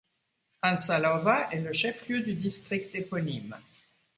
Antsalova est le chef-lieu du district éponyme.